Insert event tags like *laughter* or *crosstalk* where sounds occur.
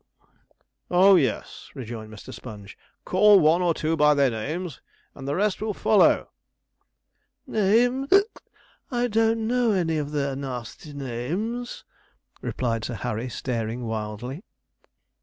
'Oh yes!' rejoined Mr. Sponge; 'call one or two by their names, and the rest will follow.' 'Names! *hiccups* I don't know any of their nasty names,' replied Sir Harry, staring wildly.